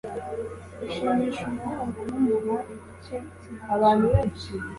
Gushimisha umuhungu mumuha igice cyigice